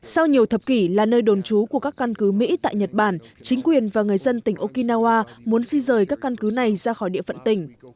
sau nhiều thập kỷ là nơi đồn trú của các căn cứ mỹ tại nhật bản chính quyền và người dân tỉnh okinawa muốn di rời các căn cứ này ra khỏi địa phận tỉnh